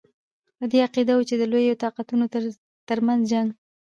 په دې عقیده وو چې د لویو طاقتونو ترمنځ جنګ.